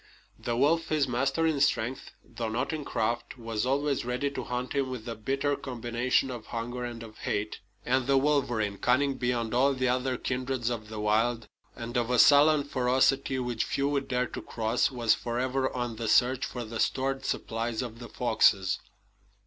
The wolf, his master in strength, though not in craft, was always ready to hunt him with a bitter combination of hunger and of hate. And the wolverine, cunning beyond all the other kindreds of the wild, and of a sullen ferocity which few would dare to cross, was forever on the search for the stored supplies of the foxes.